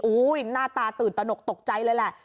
หน้าตาตื่นตนกตกใจเลยแหละ